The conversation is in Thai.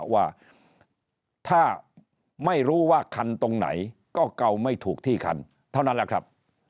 ว่าถ้าไม่รู้ว่าคันตรงไหนก็เกาไม่ถูกที่คันเท่านั้นแหละครับ